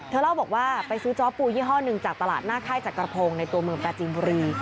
เล่าบอกว่าไปซื้อจ้อปูยี่ห้อหนึ่งจากตลาดหน้าค่ายจักรพงศ์ในตัวเมืองปราจีนบุรี